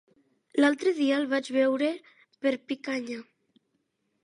L'altre dia el vaig veure per Picanya.